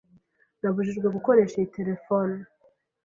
Nabujijwe gukoresha iyi terefone.